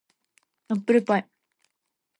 アップルパイ